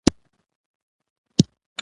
ایران د نړۍ د غځېدلو دریابونو سره اړیکې لري.